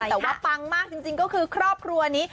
แต่ว่าปังมากจริงก็คือครอบครัวนี้